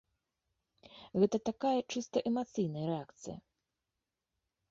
Гэта такая чыста эмацыйная рэакцыя.